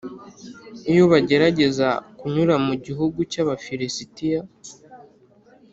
iyo bagerageza kunyura mu gihugu cy’abafirisitiya,